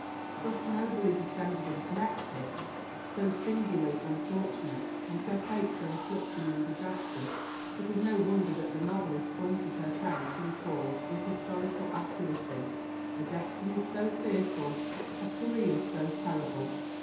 Thus nobly descended and connected, so singularly unfortunate, and her fate so afflicting and disastrous, it is no wonder that the novelist pointed her pen to record, with historical accuracy, a destiny so fearful, a career so terrible.